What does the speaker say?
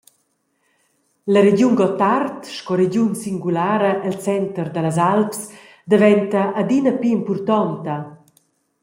La regiun Gottard sco regiun singulara el center dallas Alps daventa adina pli impurtonta.